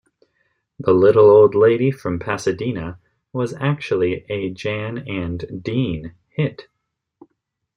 "The Little Old Lady from Pasadena" was actually a Jan and Dean hit.